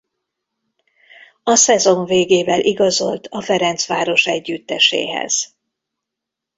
A szezon végével igazolt a Ferencváros együtteséhez.